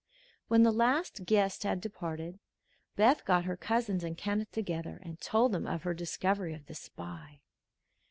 When the last guest had departed Beth got her cousins and Kenneth together and told them of her discovery of the spy.